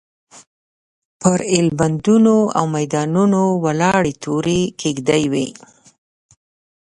پر ایلبندونو او میدانونو ولاړې تورې کېږدۍ وې.